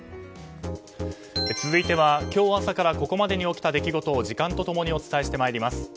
続いては今日朝からここまでに起きた出来事を時間と共にお伝えしてまいります。